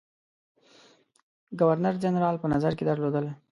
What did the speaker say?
ګورنر جنرال په نظر کې درلودل.